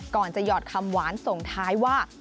ก่อนจะหยอดคำหวานส่งท้ายว่า